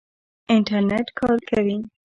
انټرنېټ کار کوي؟